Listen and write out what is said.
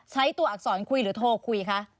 ใช้ตัวอักษรคุยหรือโทรคุยคะ